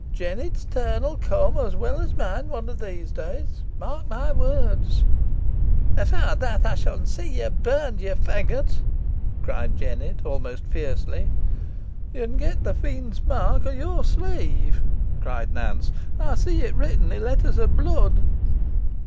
"Jennet's turn'll come os weel os mine, one o' these days. Mark my words." "Efore that ey shan see ye burned, ye faggot," cried Jennet, almost fiercely. "Ye'n gotten the fiend's mark o' your sleeve," cried Nance. "Ey see it written i' letters ov blood."